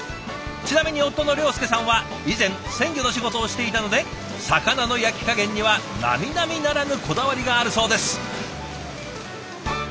ちなみに夫の良助さんは以前鮮魚の仕事をしていたので魚の焼き加減にはなみなみならぬこだわりがあるそうです。